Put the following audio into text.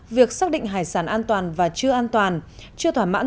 việc xác định hải sản an toàn và chưa an toàn